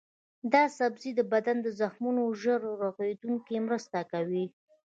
دا سبزی د بدن د زخمونو ژر رغیدو کې مرسته کوي.